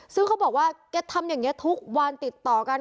ซึ่งเขาบอกว่าแกทำอย่างนี้ทุกวันติดต่อกัน